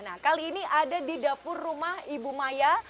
nah kali ini ada di dapur rumah ibu maya